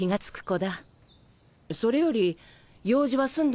それより用事は済んだのか？